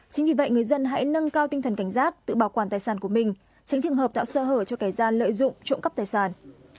chính vì vậy người dân hãy nâng cao tinh thần cảnh giác tự bảo quản tài sản của mình tránh trường hợp tạo sơ hở cho kẻ gian lợi dụng trộm cắp tài sản